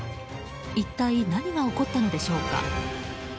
一体、何が起こったのでしょうか。